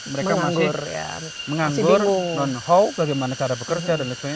mereka masih menganggur non how bagaimana cara bekerja